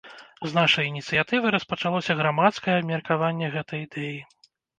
З нашай ініцыятывы распачалося грамадскае абмеркаванне гэтай ідэі.